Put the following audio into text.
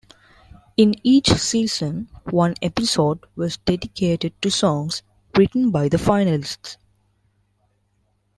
In each season, one episode was dedicated to songs written by the finalists.